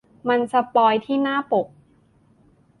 มันสปอยล์ที่หน้าปก